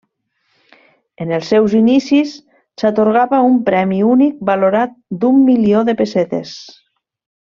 En els seus inicis s'atorgava un premi únic valorat d'un milió de pessetes.